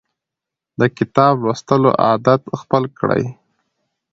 د کتاب لوستلو عادت خپل کړئ.